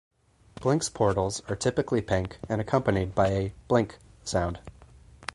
Blink's portals are typically pink and accompanied by a "Blink" sound.